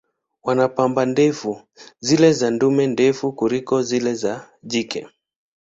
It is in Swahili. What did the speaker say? Wana pamba ndefu, zile za dume ndefu kuliko zile za jike.